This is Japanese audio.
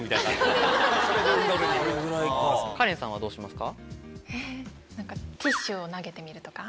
カレンさんはどうしますか？